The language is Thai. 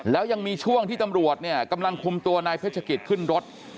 แล้วยังมีช่วงที่ตำรวจเนี่ยกำลังคุมตัวนายเพชรกิจขึ้นรถ